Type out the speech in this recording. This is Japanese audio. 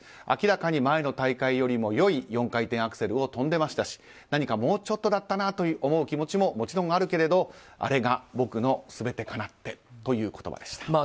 明らかに前の大会よりも良い４回転アクセルを跳んでいましたし何かもうちょっとだったなと思う気持ちももちろんあるけれどもあれが僕の全てかなってという言葉でした。